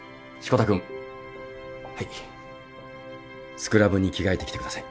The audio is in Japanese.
スクラブに着替えてきてください。